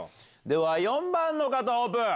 では４番の方オープン！